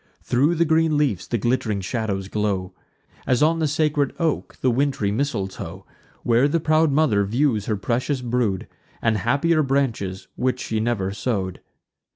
Thro' the green leafs the glitt'ring shadows glow; As, on the sacred oak, the wintry mistletoe, Where the proud mother views her precious brood, And happier branches, which she never sow'd.